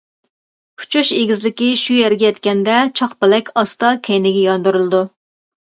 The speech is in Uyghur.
ئۇچۇش ئېگىزلىكى شۇ يەرگە يەتكەندە چاقپەلەك ئاستا كەينىگە ياندۇرۇلىدۇ.